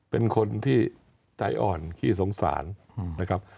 เป็นคนที่ใจอ่อนขี้สงสารนะครับ